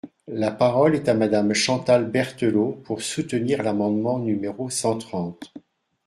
La parole est à Madame Chantal Berthelot, pour soutenir l’amendement numéro cent trente.